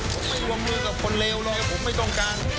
ผมไม่วงมือกับคนเลวเลยผมไม่ต้องการ